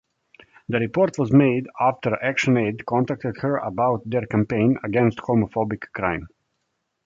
The report was made after ActionAid contacted her about their campaign against homophobic crime.